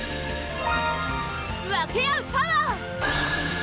分け合うパワー！